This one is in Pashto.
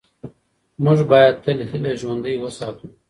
موږ باید تل هیله ژوندۍ وساتو